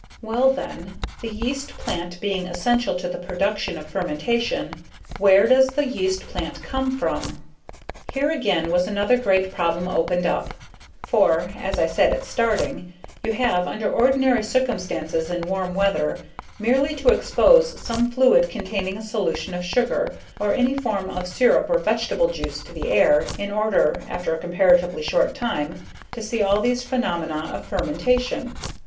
Well, then, the yeast plant being essential to the production of fermentation, where does the yeast plant come from? Here, again, was another great problem opened up, for, as I said at starting, you have, under ordinary circumstances in warm weather, merely to expose some fluid containing a solution of sugar, or any form of syrup or vegetable juice to the air, in order, after a comparatively short time, to see all these phenomena of fermentation.